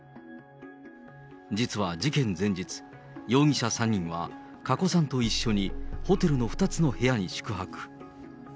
実は事件前日、容疑者３人は加古さんと一緒に、ホテルの２つの部屋に宿泊。